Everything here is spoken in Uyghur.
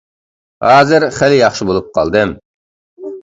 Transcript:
ھازىر خېلى ياخشى بولۇپ قالدىم.